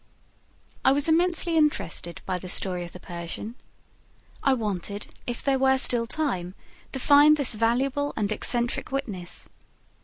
I was immensely interested by this story of the Persian. I wanted, if there were still time, to find this valuable and eccentric witness.